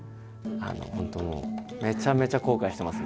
本当もうめちゃめちゃ後悔してます。